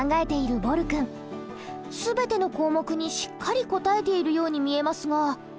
全ての項目にしっかり答えているように見えますが。